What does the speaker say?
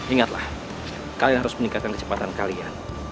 ingatlah kalian harus meningkatkan kecepatan kalian